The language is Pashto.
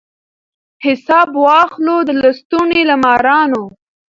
حساب واخلو د لستوڼي له مارانو